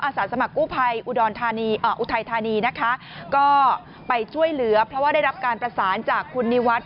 สาสมัครกู้ภัยอุดรธานีอุทัยธานีนะคะก็ไปช่วยเหลือเพราะว่าได้รับการประสานจากคุณนิวัฒน